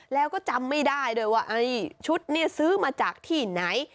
แล้วก็จำไม่ได้ด้วยว่าชุดนี้ซื้อมาจากที่ไหน